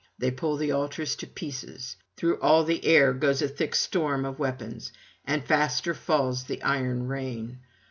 They pull the altars to pieces; through all the air goes a thick storm of weapons, and faster falls the iron rain.